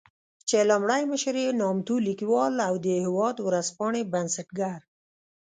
چې لومړی مشر يې نامتو ليکوال او د "هېواد" ورځپاڼې بنسټګر